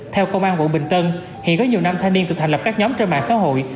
theo công an quận bình tân hiện có nhiều năm thanh niên tự thành lập các nhóm trên mạng xã hội